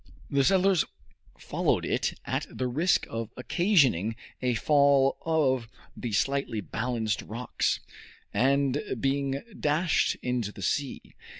The settlers followed it at the risk of occasioning a fall of the slightly balanced rocks, and being dashed into the sea.